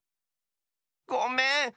ごめん。